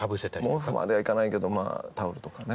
毛布まではいかないけどまあタオルとかね。